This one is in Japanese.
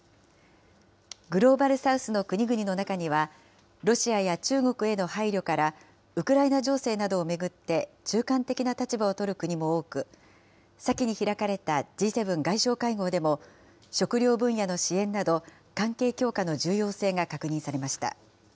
グローバル・サウスの国々の中には、ロシアや中国への配慮から、ウクライナ情勢などを巡って、中間的な立場を取る国も多く、先に開かれたＧ７外相会合でも、食料分野の支援など、関係強化の重要性が確認されました。